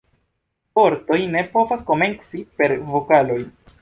Vortoj ne povas komenci per vokaloj.